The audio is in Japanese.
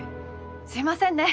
すいませんね！